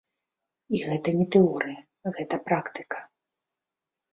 І гэта не тэорыя, гэта практыка.